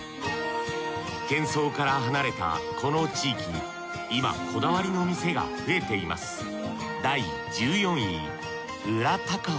喧騒から離れたこの地域に今こだわりの店が増えていますわっいいなぁ。